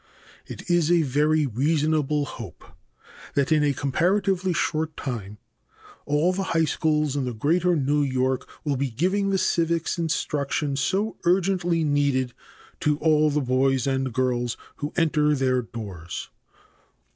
It is a very reasonable hope that in a comparatively short time all the high schools in the Greater New York will be giving the civics instruction so urgently needed to all the boys and girls who enter their doors.